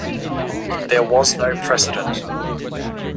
There was no precedent.